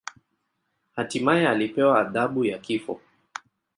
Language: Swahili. Hatimaye alipewa adhabu ya kifo.